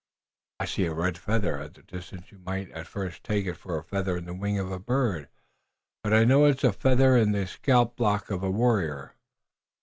"I see a red feather. At this distance you might at first take it for a feather in the wing of a bird, but I know it is a feather in the scalplock of a warrior."